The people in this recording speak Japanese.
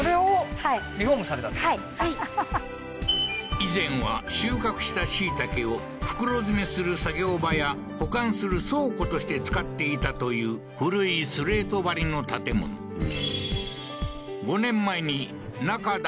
以前は収穫した椎茸を袋詰めする作業場や保管する倉庫として使っていたという古いスレート張りの建物ははははっ